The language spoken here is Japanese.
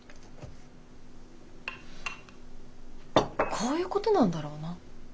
こういうことなんだろうな。